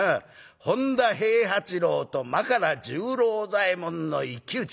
本多平八郎と真柄十郎左衛門の一騎打ち。